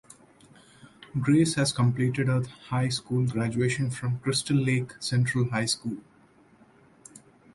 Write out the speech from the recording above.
Grace has completed her high school graduation from Crystal Lake Central High School.